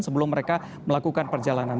sebelum mereka melakukan perjalanan